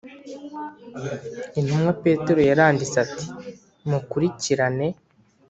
Intumwa Petero yaranditse ati mukurikirane